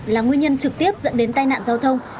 là nguyên nhân trực tiếp dẫn đến tai nạn giao thông